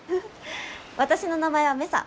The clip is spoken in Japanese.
私の名前はメサ。